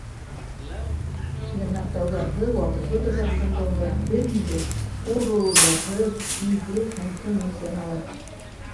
Янартауҙарҙы ваҡытлы таҙартҡанда улар, бер ниндәй урғылыуҙарһыҙ, тигеҙ һәм тыныс яналар.